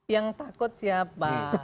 yang takut siapa